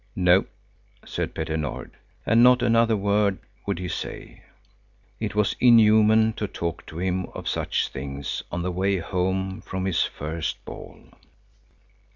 "No," said Petter Nord, and not another word would he say. It was inhuman to talk to him of such things on the way home from his first ball.